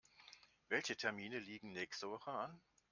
Welche Termine liegen nächste Woche an?